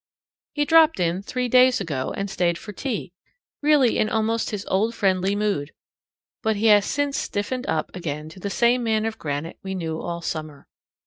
He dropped in three days ago and stayed for tea, really in almost his old friendly mood. But he has since stiffened up again to the same man of granite we knew all summer.